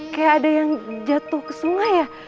kayak ada yang jatuh ke sungai ya